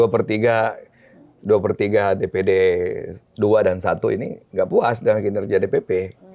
dua per tiga dua per tiga dpd dua dan satu ini gak puas dengan kinerja dpp